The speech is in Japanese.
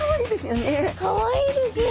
かわいいですよね。